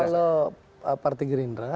kalau partai greenrush